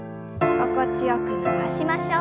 心地よく伸ばしましょう。